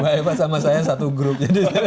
mbak eva sama saya satu grup ini